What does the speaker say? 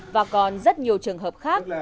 và còn rất nhiều trường hợp khác